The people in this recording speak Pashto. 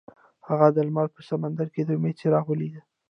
هغه د لمر په سمندر کې د امید څراغ ولید.